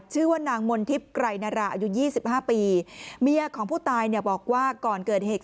ชื่อว่านางมนทิพย์ไกรนาราอายุยี่สิบห้าปีเมียของผู้ตายเนี่ยบอกว่าก่อนเกิดเหตุ